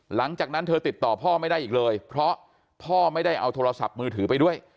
หลังจากนั้นเธอติดต่อพ่อไม่ได้อีกเลยเพราะพ่อไม่ได้เอาโทรศัพท์มือถือไปด้วย